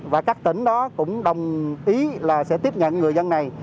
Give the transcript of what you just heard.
và các tỉnh đó cũng đồng ý là sẽ tiếp nhận người dân này